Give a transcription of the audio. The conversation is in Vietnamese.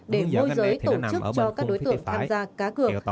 để môi giới tổ chức cho các đối tượng tham gia cá cược